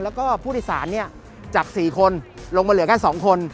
แล้วก็ผู้โดยสารจาก๔คนลงมาเหลือแค่๒คน